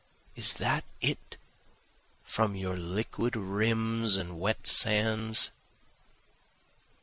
Is that it from your liquid rims and wet sands?